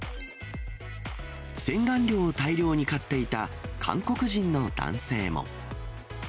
洗顔料を大量に買っていた韓国人の男性も。